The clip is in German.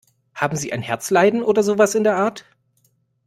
Haben Sie ein Herzleiden oder sowas in der Art?